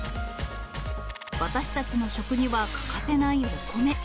私たちの食には欠かせないお米。